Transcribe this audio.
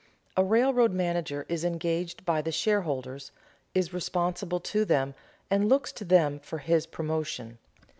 A railroad manager is engaged by the stockholders, is responsible to them, and looks to them for his promotion.